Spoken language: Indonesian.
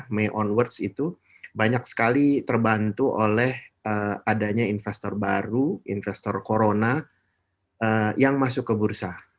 may onwards itu banyak sekali terbantu oleh adanya investor baru investor corona yang masuk ke bursa